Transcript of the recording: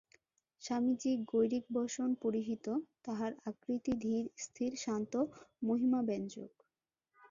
স্বামীজী গৈরিকবসন-পরিহিত, তাঁহার আকৃতি ধীর স্থির শান্ত মহিমাব্যঞ্জক।